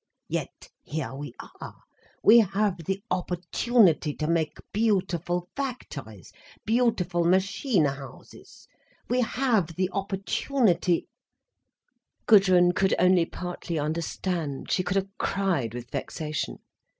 Yet here we are—we have the opportunity to make beautiful factories, beautiful machine houses—we have the opportunity—" Gudrun could only partly understand. She could have cried with vexation.